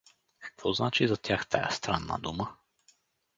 Какво значи за тях тая странна дума?